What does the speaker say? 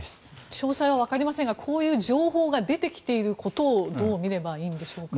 詳細はわかりませんがこういう情報が出ていることをどう見ればいいんでしょうか。